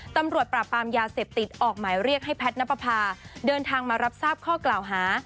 ตำรวจปราบปรามยาเสพติดออกหมายเรียกให้แพทย์นับประพาเดินทางมารับทราบข้อกล่าวหา